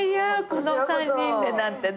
この３人でなんてね